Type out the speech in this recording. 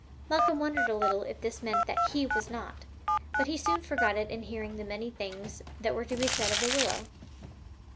Malcolm wondered a little if this meant that he was not, but he soon forgot it in hearing the many things that were to be said of the willow.